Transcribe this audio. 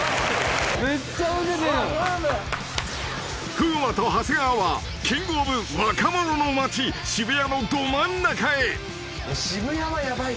［風磨と長谷川はキング・オブ・若者の街渋谷のど真ん中へ］